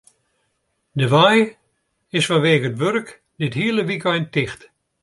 De wei is fanwegen it wurk dit hiele wykein ticht.